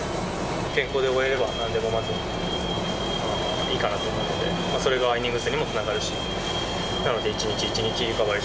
健康で終えられればなんでもいいかなと思いますので、それがイニングにもつながるし、なので、一日一日リカバリー